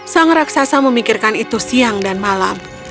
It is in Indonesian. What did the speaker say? sang raksasa memikirkan itu siang dan malam